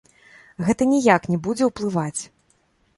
Гэта ніяк не будзе ўплываць.